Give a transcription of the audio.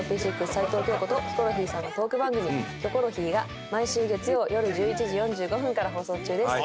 齊藤京子とヒコロヒーさんのトーク番組『キョコロヒー』が毎週月曜よる１１時４５分から放送中です。